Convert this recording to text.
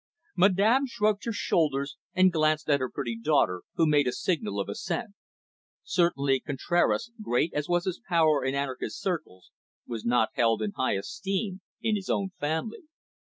Madame shrugged her shoulders and glanced at her pretty daughter, who made a signal of assent. Certainly, Contraras, great as was his power in anarchist circles, was not held in high esteem in his own family.